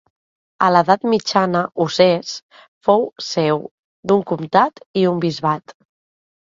A l'edat mitjana Usès fou seu d'un comtat i un bisbat.